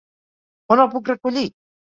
On el puc recollir?